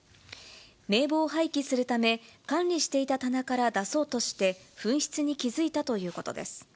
名簿を廃棄するため、管理していた棚から出そうとして、紛失に気付いたということです。